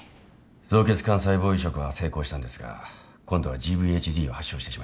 造血幹細胞移植は成功したんですが今度はＧＶＨＤを発症してしまいました。